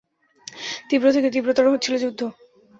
তীব্র থেকে তীব্রতর হচ্ছিল যুদ্ধ।